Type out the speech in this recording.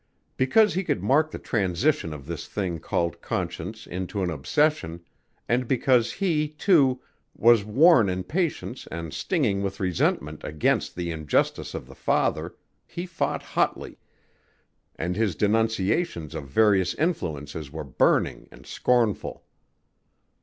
Because he could mark the transition of this thing called conscience into an obsession, and because he, too, was worn in patience and stinging with resentment against the injustice of the father, he fought hotly, and his denunciations of various influences were burning and scornful.